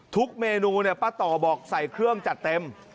เมนูเนี่ยป้าต่อบอกใส่เครื่องจัดเต็ม